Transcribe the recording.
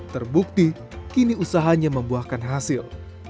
terbukti kini usahanya membuahkan hasil